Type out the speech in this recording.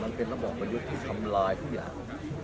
มันเป็นระบอบประยุทธ์ที่ทำลายทุกอย่าง